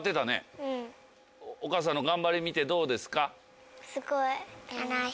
お母さんの頑張り見てどうですか？